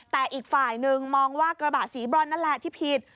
แต่อีกฝ่ายหนึ่งมองว่ากระบะสีบรอนนั่นแหละที่ผิด